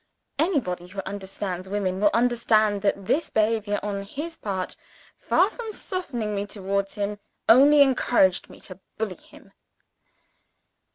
Anybody who understands women will understand that this behavior on his part, far from softening me towards him, only encouraged me to bully him.